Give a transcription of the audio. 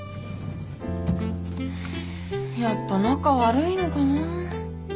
やっぱ仲悪いのかな。